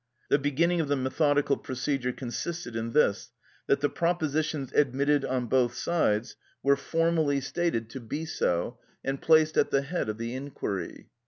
The beginning of the methodical procedure consisted in this, that the propositions admitted on both sides were formally stated to be so, and placed at the head of the inquiry.